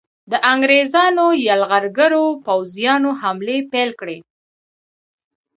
د انګریزانو یرغلګرو پوځیانو حملې پیل کړې.